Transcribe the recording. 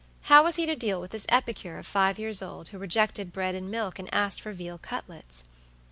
How was he to deal with this epicure of five years old, who rejected bread and milk and asked for veal cutlets?